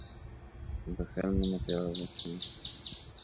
• بښل مینه پیاوړې کوي.